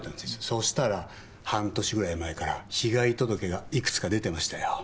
そしたら半年ぐらい前から被害届がいくつか出てましたよ。